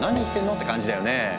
って感じだよねえ。